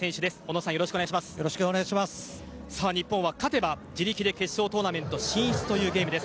さあ、日本は勝てば自力で決勝トーナメント進出というゲームです。